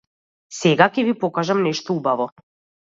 Сега ќе ви покажам нешто убаво.